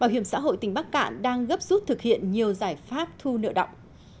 bảo hiểm xã hội tỉnh bắc cạn đang thực hiện nhiều giải pháp thu nợ động